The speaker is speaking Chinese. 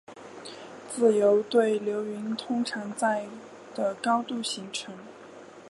自由对流云通常在的高度形成。